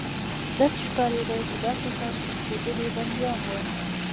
داسې ښکارېده چې دا کسان تښتېدلي بندیان وو